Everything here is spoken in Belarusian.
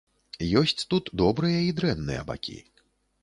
Ёсць тут добрыя і дрэнныя бакі.